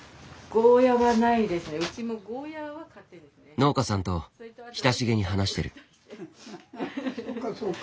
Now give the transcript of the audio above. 農家さんと親しげに話してる。